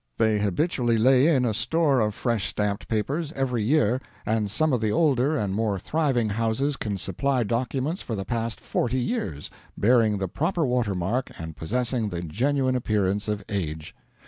They habitually lay in a store of fresh stamped papers every year, and some of the older and more thriving houses can supply documents for the past forty years, bearing the proper water mark and possessing the genuine appearance of age.